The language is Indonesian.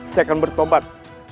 saya akan bertobat